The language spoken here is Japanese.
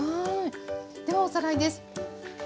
ではおさらいです。